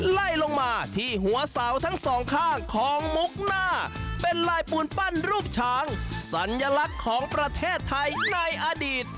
ไล่ลงมาที่หัวเสาทั้งสองข้างของมุกหน้าเป็นลายปูนปั้นรูปช้างสัญลักษณ์ของประเทศไทยในอดีต